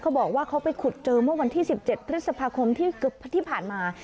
บอกว่าเขาไปขุดเจอเมื่อวันที่๑๗พฤษภาคมที่ผ่านมา